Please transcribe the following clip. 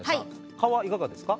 蚊はいかがですか？